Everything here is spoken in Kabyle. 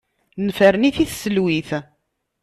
Nefren-it i tselwit.